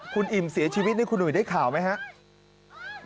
คุณอิ่มเสียชีวิตนี่คุณหุยได้ข่าวไหมครับ